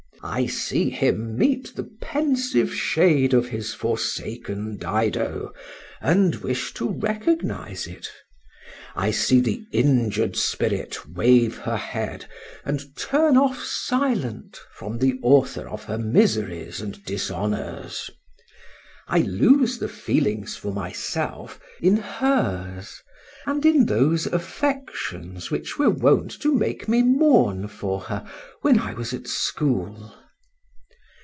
—I see him meet the pensive shade of his forsaken Dido, and wish to recognise it;—I see the injured spirit wave her head, and turn off silent from the author of her miseries and dishonours;—I lose the feelings for myself in hers, and in those affections which were wont to make me mourn for her when I was at school.